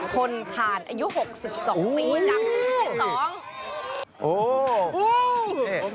คนทานอายุ๖๒ปีกลับที่๑๒